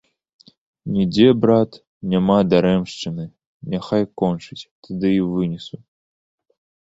Нідзе, брат, няма дарэмшчыны, няхай кончыць, тады і вынесу.